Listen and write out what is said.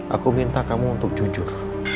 aku minta kamu untuk jujur